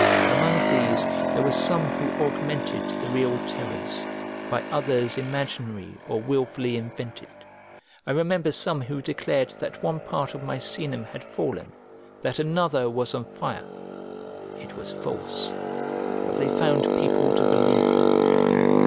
Among these there were some who augmented the real terrors by others imaginary or wilfully invented. I remember some who declared that one part of Misenum had fallen, that another was on fire; it was false, but they found people to believe them.